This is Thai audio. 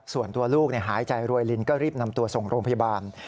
ส่วนตัวลูกหายใจรวยลินก็รีบนำตัวส่งโรงพยาบาล